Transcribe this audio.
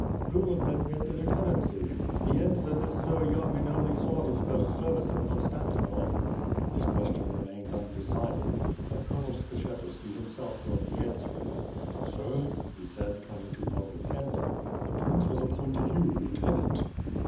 "Who will then get the lieutenancy? The ensign is so young and only saw his first service at Konstantinov." This question remained undecided, but Colonel Skshetuski himself brought the answer: "Sir," he said, turning to Popbipyenta, "the prince has ap pointed you lieutenant."